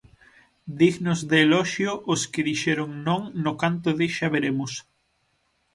Dignos de eloxio os que dixeron non no canto de xa veremos.